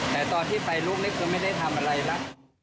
แต่ตอนที่ไปลุกนี้คือไม่ได้ทำ